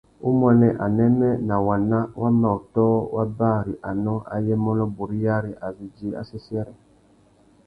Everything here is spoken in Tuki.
Umuênê, anêmê nà waná wa mà ôtō wa bari anô ayê mônô buriyari a zu djï assêssêrê.